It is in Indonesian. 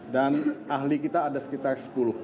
dan ahli kita ada sekitar sepuluh